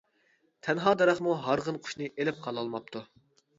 تەنھا دەرەخمۇ ھارغىن قۇشنى ئىلىپ قالالماپتۇ.